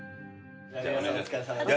皆さんお疲れさまです。